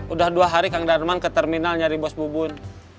udah dua hari kang darman ke terminal nyari bos bubun